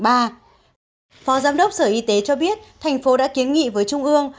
phó giám đốc sở y tế cho biết thành phố đã kiến nghị với trung ương